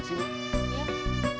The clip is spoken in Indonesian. bisa kita berbincang